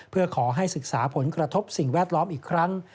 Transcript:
เพื่อขอให้ศึกษาผลกระทบสิ่งแวดล้อมอีกครั้ง